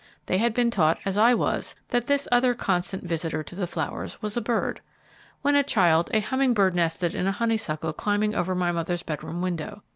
They had been taught, as I was, that this other constant visitor to the flowers was a bird. When a child, a humming bird nested in a honeysuckle climbing over my mother's bedroom window.